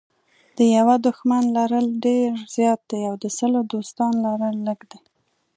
د یوه دښمن لرل ډېر زیات دي او د سلو دوستانو لرل لږ دي.